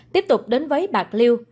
tiếp tục đến với bạc liêu